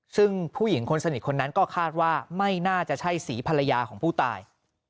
ซึ่งผู้หญิงคนสนิทคนนั้นก็คาดว่าไม่น่าจะใช่สีภรรยาของผู้ตาย